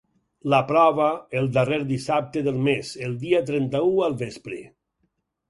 La prova el darrer dissabte del mes, el dia trenta-u al vespre.